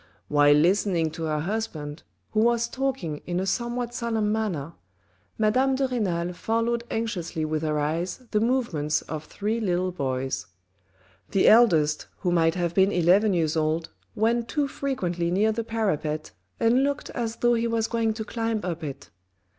While listening to her husband (who was talking in a somewhat solemn manner) Madame de Renal followed anxiously with her eyes the movements of three little boys. The eldest, who might have been eleven years old, went too frequently near the parapet and looked as though he was going to climb up it.